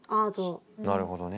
なるほどね。